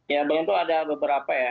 ya berantem tuh ada beberapa ya